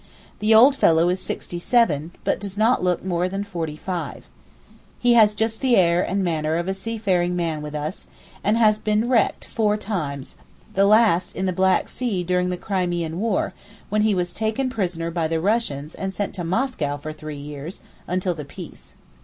The old fellow is sixty seven, but does not look more than forty five. He has just the air and manner of a seafaring man with us, and has been wrecked four times—the last in the Black Sea during the Crimean War, when he was taken prisoner by the Russians and sent to Moscow for three years, until the peace.